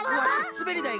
すべりだい。